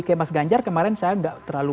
jokowi ke mas ganjar kemarin saya gak terlalu